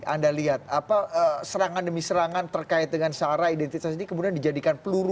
anda lihat serangan demi serangan terkait dengan sarah identitas ini kemudian dijadikan peluru